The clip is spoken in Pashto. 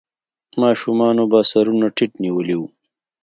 ماشومانو به سرونه ټيټ نيولې وو.